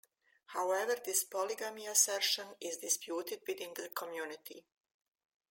However this polygamy assertion is disputed within the community.